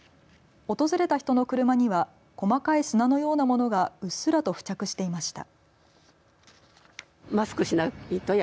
訪れた人の車には細かい砂のようなものがうっすらと付着していました。